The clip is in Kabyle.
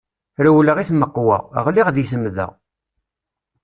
Rewleɣ i tmeqqwa, ɣliɣ di temda.